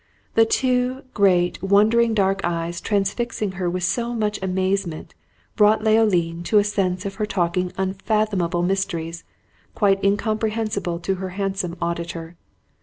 The two great, wondering dark eyes transfixing her with so much amazement, brought Leoline to a sense of her talking unfathomable mysteries, quite incomprehensible to her handsome auditor.